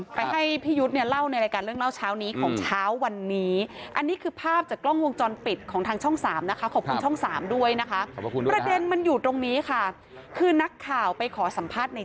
ไปให้พี่ยุทธเนี่ยเล่าในรายการเรื่องเล่าเช้านี้ของเช้าวันนี้